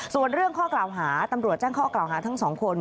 ส่วนเรื่องข้อกล่าวหาตำรวจแจ้งข้อกล่าวหาทั้งสองคน